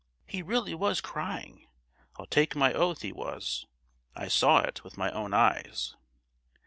He really was crying, I'll take my oath he was! I saw it with my own eyes.